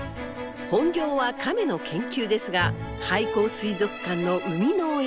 本業はカメの研究ですが廃校水族館の生みの親。